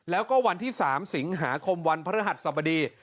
แล้วก็วันที่๓สิงหาคมวันพระฤหัสสบดี